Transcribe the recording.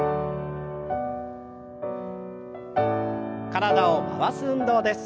体を回す運動です。